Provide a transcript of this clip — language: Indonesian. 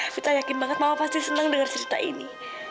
vita yakin banget mama pasti seneng denger cerita ini